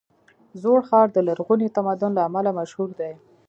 زوړ ښار د لرغوني تمدن له امله مشهور دی.